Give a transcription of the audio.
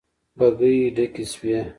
بګۍ ډکې شوې.